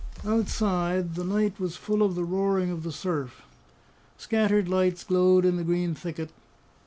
Outside, the night was full of the roaring of the surf. Scattered lights glowed in the green thicket.